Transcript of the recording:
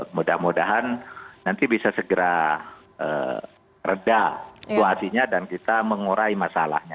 mudah mudahan nanti bisa segera reda situasinya dan kita mengurai masalahnya